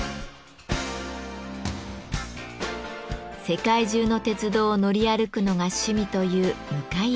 世界中の鉄道を乗り歩くのが趣味という向谷さん。